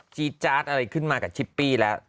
จี๊จาดอะไรขึ้นมากับชิปปี้แล้ว